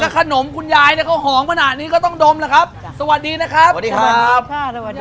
ก็ขนมคุณยายเนี้ยก็หอมมานานนี้ก็ต้องดมแล้วครับสวัสดีนะครับสวัสดีครับสวัสดีค่ะสวัสดีค่ะ